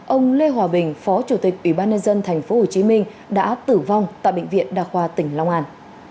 ông lê hòa bình phó chủ tịch ủy ban nhân dân tp hcm đã tử vong tại bệnh viện đa khoa tỉnh long an